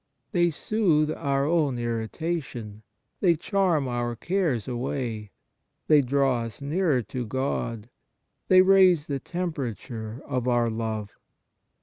They soothe our own irritation, they charm our cares away, they draw us nearer to God, they raise the tem perature of our love.